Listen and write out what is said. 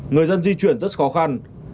người dân di chuyển rất khó khăn